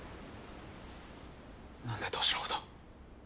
何で投資のこと。